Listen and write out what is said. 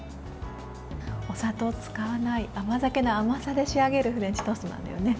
お砂糖を使わない甘酒の甘さで仕上げるフレンチトーストなんだよね。